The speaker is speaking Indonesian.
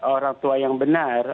orang tua yang benar